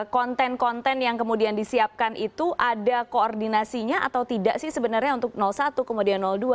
konten konten yang kemudian disiapkan itu ada koordinasinya atau tidak sih sebenarnya untuk satu kemudian dua